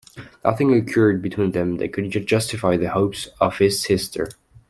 Nothing occurred between them that could justify the hopes of his sister.